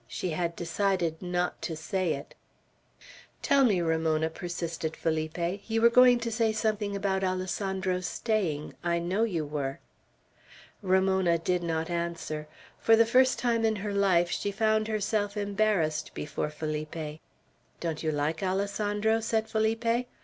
She had decided not to say it. "Tell me, Ramona," persisted Felipe. "You were going to say something about Alessandro's staying; I know you were." Ramona did not answer. For the first time in her life she found herself embarrassed before Felipe. "Don't you like Alessandro?" said Felipe.